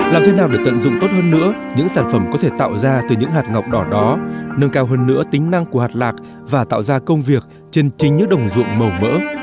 làm thế nào để tận dụng tốt hơn nữa những sản phẩm có thể tạo ra từ những hạt ngọc đỏ đó nâng cao hơn nữa tính năng của hạt lạc và tạo ra công việc trên chính những đồng ruộng màu mỡ